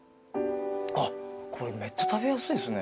あっこれめっちゃ食べやすいですね。